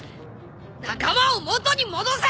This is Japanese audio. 仲間を元に戻せ！